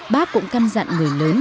bác cũng can dặn người lớn